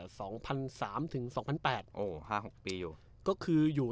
สองพันสามถึงสองพันแปดโอ้ห้าหกปีอยู่ก็คืออยู่